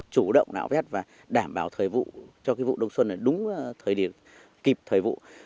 chủ động nào vét và đảm bảo thời vụ cho cái vụ đông xuân là đúng thời điểm kịp thời vụ